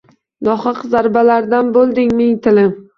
Nohaq zarbalardan bo’lding ming tilim